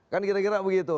kan kira kira begitu